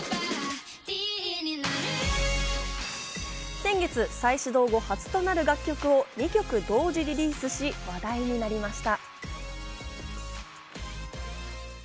先月再始動後、初となる楽曲を２曲同時リリースし、話題になりました。